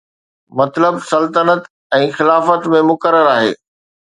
مطلب سلطنت ۽ خلافت ۾ مقرر آهي